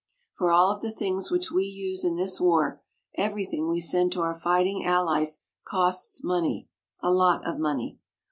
For all of the things which we use in this war, everything we send to our fighting allies, costs money a lot of money.